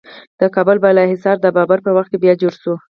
د کابل بالا حصار د بابر په وخت کې بیا جوړ شو